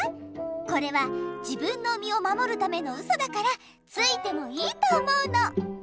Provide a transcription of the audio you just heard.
これは自分の身をまもるためのウソだからついてもいいと思うの！